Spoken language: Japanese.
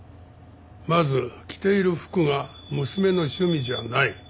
まず着ている服が娘の趣味じゃない。